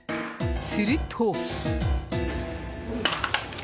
すると。